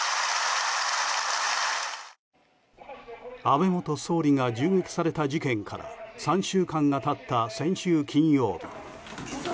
安倍元総理が銃撃された事件から３週間が経った先週金曜日。